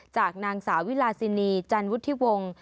จากนางสาวิลาซินีจันวุฒิวงศ์